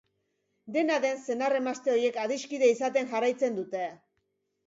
Dena den, senar-emazte ohiek adiskide izaten jarraitzen dute.